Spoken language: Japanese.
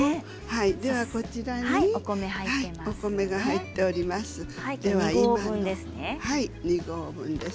では、こちらにお米が入っております。